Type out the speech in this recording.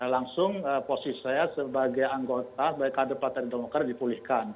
langsung posisi saya sebagai anggota bkptd dipulihkan